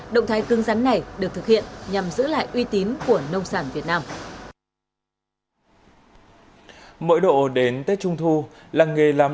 động thái cưng rắn này được thực hiện nhằm giữ lại uy tín của nông sản việt nam